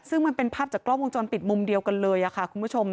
ซึ่งมันเป็นภาพจากกล้องวงจรปิดมุมเดียวกันเลยค่ะคุณผู้ชม